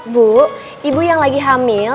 bu ibu yang lagi hamil